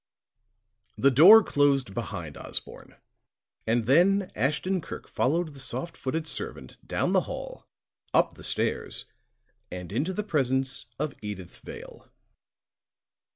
The door closed behind Osborne, and then Ashton Kirk followed the soft footed servant down the hall, up the stairs and into the presence of Edyth Vale.